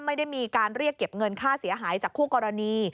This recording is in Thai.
ไม่ได้มีการเรียกเก็บเงินค่าเสียหายจากคู่กรณี